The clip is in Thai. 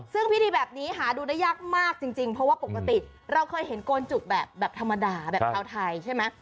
ซึ่งพิธีแบบนี้หาดูได้ยากมากจริงเพราะว่าปกติเราเคยเห็นโกนจุกแบบธรรมดาแบบชาวไทยใช่ไหม